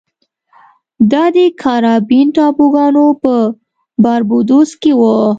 دا د کارابین ټاپوګانو په باربادوس کې و.